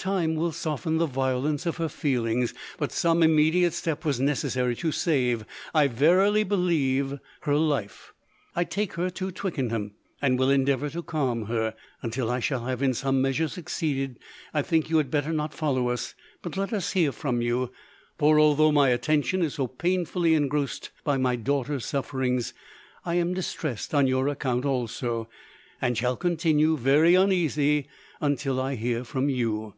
Time will soften the violence of her feelings, but some im mediate step was necessary to save, I verily be lieve, her life. I take her to Twickenham, and will endeavour to calm her : until I shall have in some measure succeeded, I think you had better not follow us ; but let us hear from you ; for although my attention is so painfully en grossed by my daughter's sufferings, I am dis tressed on your account also, and shall continue very uneasy until I hear from you.